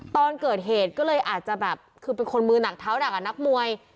ตอนเกิดเหตุก็เลยอาจจะแบบคือเป็นคนมือหนักเท้าหนักอ่ะนักมวย